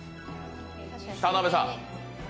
田辺さん！